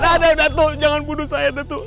ada ada datuk jangan bunuh saya datuk